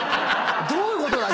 どういうことだ？